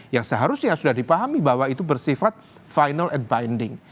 yang seharusnya sudah dipahami bahwa itu bersifat final ad binding